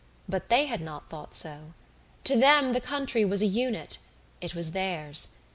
But they had not thought so. To them the country was a unit it was theirs.